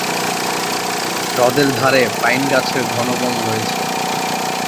হ্রদের ধারে পাইন গাছের ঘন বন রয়েছে।